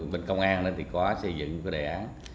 bên công an thì có xây dựng cái đề án